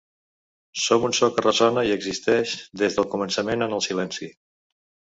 Som un so que ressona i existesc des del començament en el silenci.